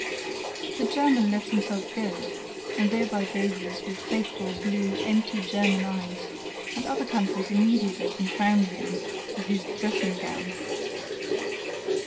The German lets himself go, and thereby gazes with faithful, blue, empty German eyes and other countries immediately confound him with his dressing gown!